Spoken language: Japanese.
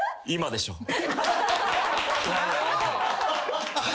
「今でしょ」